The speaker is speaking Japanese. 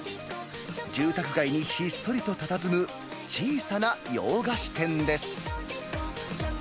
住宅街にひっそりとたたずむ小さな洋菓子店です。